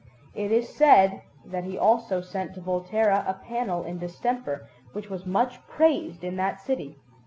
It is said that he also sent to Volterra a panel in distemper which was much praised in that city.